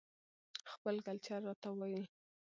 خپل کلچر راته وايى